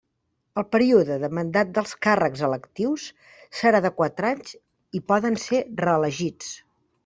El període de mandat dels càrrecs electius serà de quatre anys i poden ser reelegits.